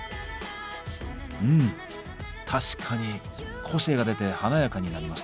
うん確かに個性が出て華やかになりますね。